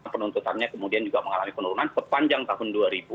penuntutannya kemudian juga mengalami penurunan sepanjang tahun dua ribu dua ribu dua puluh